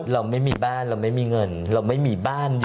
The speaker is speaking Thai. เราไม่มีบ้านเราไม่มีเงินเราไม่มีบ้านด้วย